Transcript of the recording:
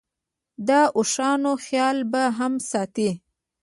د اوښانو خیال به هم ساتې.